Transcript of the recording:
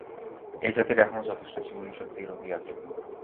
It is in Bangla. এই জাতির এখনও যথেষ্ট জীবনীশক্তি রহিয়াছে।